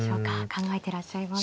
考えてらっしゃいます。